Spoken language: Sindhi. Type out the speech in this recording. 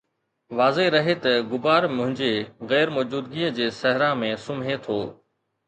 واضح رهي ته غبار منهنجي غير موجودگيءَ جي صحرا ۾ سمهي ٿو